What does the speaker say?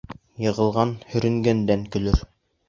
Йығылған һөрөнгәндән көлөр.